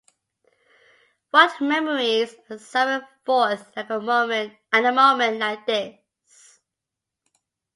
What memories are summoned forth at a moment like this.